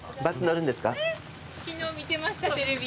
昨日見てましたテレビ。